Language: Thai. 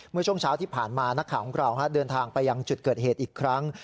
เมื่อช่วงเช้าที่ผ่านมานักข่าวของเราเดินทางไปยังจุดเกิดเหตุอีกครั้ง